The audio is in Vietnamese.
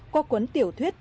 qua cuốn tiểu thuyết